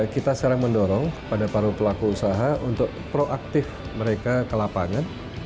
kita sekarang mendorong pada para pelaku usaha untuk proaktif mereka ke lapangan